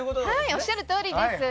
おっしゃるとおりです。